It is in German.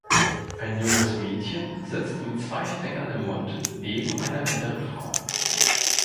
Ein junges Mädchen sitzt mit zwei Fingern im Mund neben einer älteren Frau.